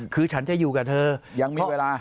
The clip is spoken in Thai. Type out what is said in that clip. คือฉันจะอยู่กับเธอยังมีเวลา